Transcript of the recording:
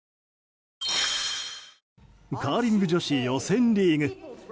カーリング女子予選リーグ。